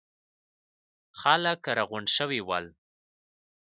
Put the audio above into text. خلک راغونډ شوي ول.